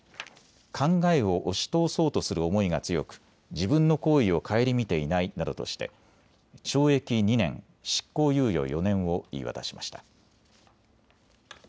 考えを押し通そうとする思いが強く自分の行為を省みていないなどとして懲役２年、執行猶予４年を言い渡しました。